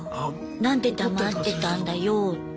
何で黙ってたんだよ。